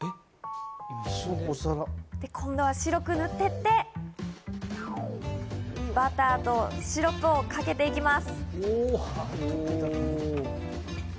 今度は白く塗っていって、バターとシロップをかけていきます。